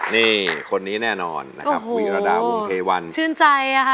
นี่คนนี้แน่นอนนะครับวีรดาวงเทวันชื่นใจอ่ะค่ะ